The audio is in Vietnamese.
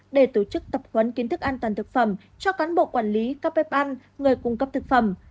để tổ chức tập huấn kiến thức an toàn thực phẩm cho cán bộ quản lý các bếp ăn người cung cấp thực phẩm